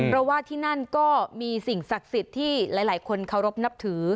เพราะว่าที่นั่นก็มีสิ่งศักดิ์สิทธิ์ที่หลายคนเคารพนับถือ